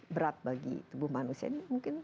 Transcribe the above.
berat bagi tubuh manusia ini mungkin